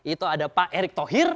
itu ada pak erick thohir